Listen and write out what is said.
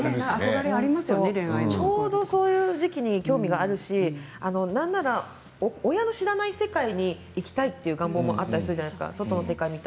ちょうど、そういう時期に興味があるしなんなら親の知らない世界に行きたいというかそういう願望もあったりするじゃないですか。